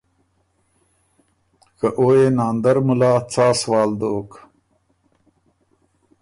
که او يې ناندر مُلا څا سوال دوک؟